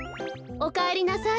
おかえりなさい。